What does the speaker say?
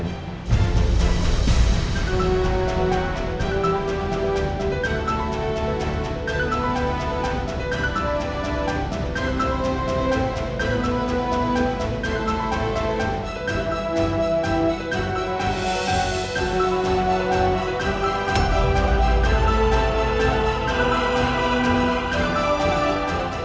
dengerkan saya ya